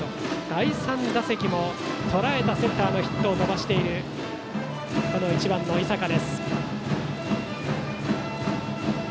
第３打席もとらえたセンターへのヒットを飛ばしている１番の井坂です。